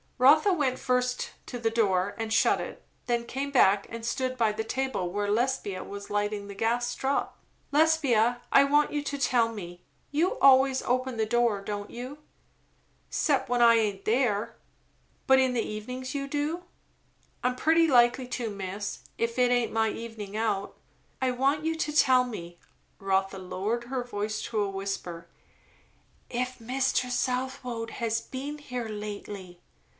Rotha went first to the door and shut it. Then came back and stood by the table where Lesbia was lighting the gas drop. "Lesbia, I want you to tell me You always open the door, don't you?" "'Cept when I aint there." "But in the evenings you do?" "I'm pretty likely to, miss if it aint my evening out." "I want you to tell me " Rotha lowered her voice to a whisper, "if Mr. Southwode has been here lately?"